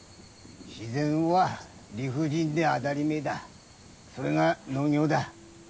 自然は理不尽で当たりめぇだそれが農業だ。